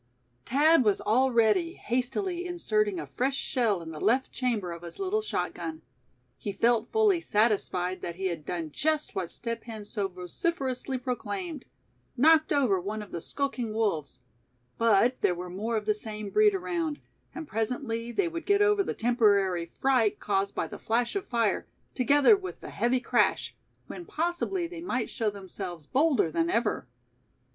Thad was already hastily inserting a fresh shell in the left chamber of his little shotgun. He felt fully satisfied that he had done just what Step Hen so vociferously proclaimed, knocked over one of the skulking wolves; but there were more of the same breed around, and presently they would get over the temporary fright caused by the flash of fire, together with the heavy crash, when possibly they might show themselves bolder than ever.